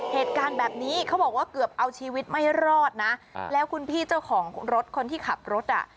เหตุการณ์แบบนี้เขาบอกว่าเกือบเอาชีวิตไม่รอดนะแล้วคุณพี่เจ้าของรถคนที่ขับรถอ่ะ